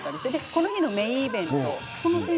この時のメインイベント。